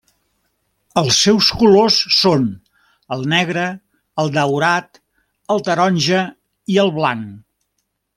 Els seus colors són el negre, el daurat, el taronja i el blanc.